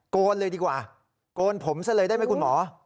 โกนเลยดีกว่าโกนผมซะเลยได้ไหมคุณหมอ